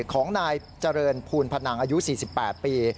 ของนายเจริญภูลพนังอายุ๔๘ปี